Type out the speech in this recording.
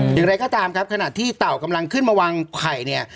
อย่างไรก็ตามครับขณะที่เต่ากำลังขึ้นมาวางไข่เนี่ย